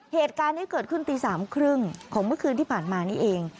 เหตุการณ์นี้เกิดขึ้นตี๓๓๐ของเมื่อคืนที่ผ่านมานี่เอง